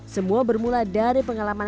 semua bermula dari pengalaman